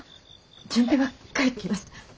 純平は帰ってきます。